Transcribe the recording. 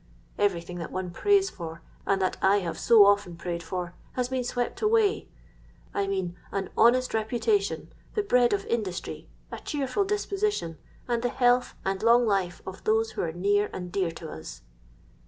Every thing that one prays for, and that I have so often prayed for, has been swept away: I mean an honest reputation; the bread of industry; a cheerful disposition, and the health and long life of those who are near and dear to us.'